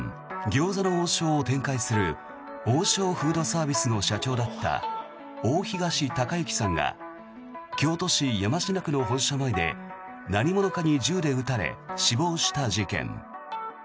餃子の王将を展開する王将フードサービスの社長だった大東隆行さんが京都市山科区の本社前で何者かに銃で撃たれ死亡した事件。